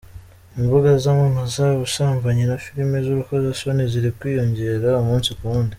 Imbuga zamamaza ubusambanyi na filimi z’urukozasoni ziri kwiyongera umunsi ku wundi.